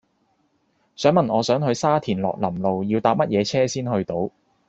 請問我想去沙田樂林路要搭乜嘢車先去到